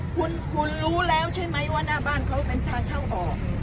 คุณคุณรู้แล้วใช่ไหมว่าหน้าบ้านเขาเป็นทางเข้าออก